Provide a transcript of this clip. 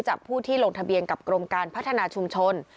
ผู้ที่ลงทะเบียนกับกรมการพัฒนาชุมชน